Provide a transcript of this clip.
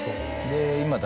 で今。